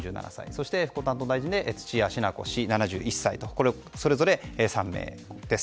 そして、復興担当大臣で土屋品子氏、７１歳それぞれ３名です。